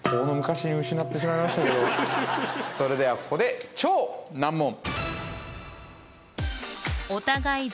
それではここで超難問